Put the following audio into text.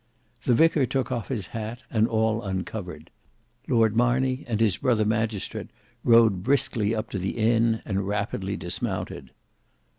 The vicar took off his hat, and all uncovered. Lord Marney and his brother magistrate rode briskly up to the inn and rapidly dismounted.